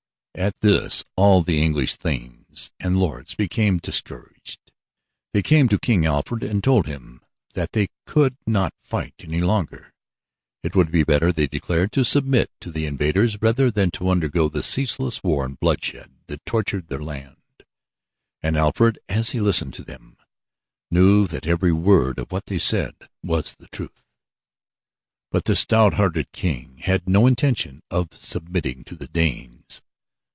At this all the English thanes and lords became discouraged. They came to King Alfred and told him that they could not fight any longer. It would be better, they declared, to submit to the invaders rather than to undergo the ceaseless war and bloodshed that tortured their land. And Alfred, as he listened to them, knew that every word of what they said was the truth. But the stout hearted king had no intention of submitting to the Danes.